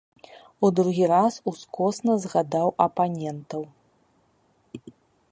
У другі раз ускосна згадаў апанентаў.